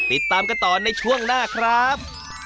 ติดตามกันต่อในช่วงหน้าครับ